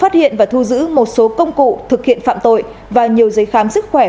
thực hiện phạm tội và nhiều dây khám sức khỏe